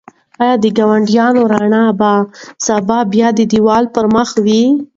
ایا د ګاونډي رڼا به سبا بیا د دېوال پر مخ وي؟